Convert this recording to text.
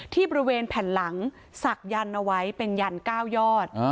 ที่บริเวณแผ่นหลังศักยันต์เอาไว้เป็นยัน๙ยอด